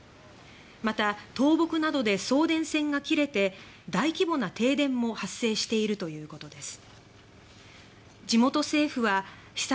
また、倒木などで送電線が切れて大規模な停電も発生しているということです。